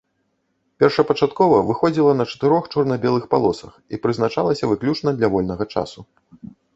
Першапачаткова выходзіла на чатырох чорна-белых палосах і прызначалася выключна для вольнага часу.